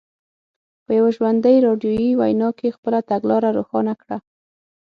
په یوه ژوندۍ راډیویي وینا کې خپله تګلاره روښانه کړه.